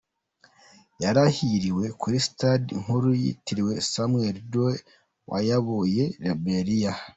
Yarahiriye kuri Stade nkuru yitiriewe Samuel Doe wayoboye Liberia.